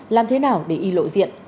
làm thế nào để y lộ diện